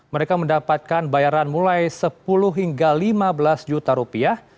mereka mendapatkan bayaran mulai sepuluh hingga lima belas juta rupiah